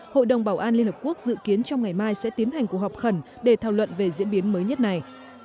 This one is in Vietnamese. hội đồng bảo an liên hợp quốc dự kiến trong ngày mai sẽ tiến hành cuộc họp khẩn để thảo luận về diễn biến mới nhất này